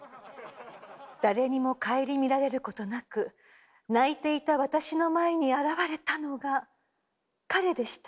誰にも顧みられることなく泣いていた私の前に現れたのが彼でした。